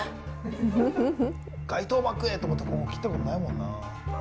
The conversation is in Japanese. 外套膜へって思ってここ切ったことないもんな。